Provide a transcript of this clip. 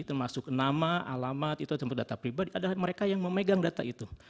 termasuk nama alamat itu ataupun data pribadi adalah mereka yang memegang data itu